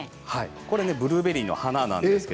ブルーベリーの花です。